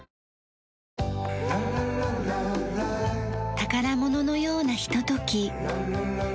宝物のようなひととき。